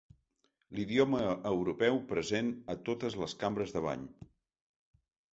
L'idioma europeu present a totes les cambres de bany.